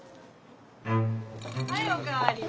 はいお代わり。